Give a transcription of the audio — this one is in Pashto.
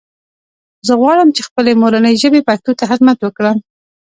زه غواړم چې خپلې مورنۍ ژبې پښتو ته خدمت وکړم